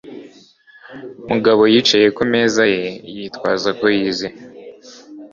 Mugabo yicaye ku meza ye, yitwaza ko yize.